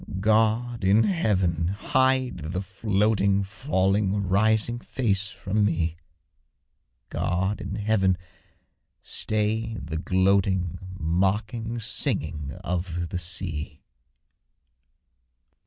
God in heaven! hide the floating, Falling, rising, face from me; God in heaven! stay the gloating, Mocking singing of the sea!